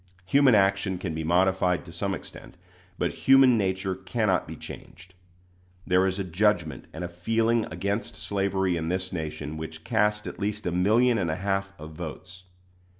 Human action can be modified to some extent, but human nature cannot be changed. There is a judgment and a feeling against slavery in this nation which cast at least a million and a half of votes.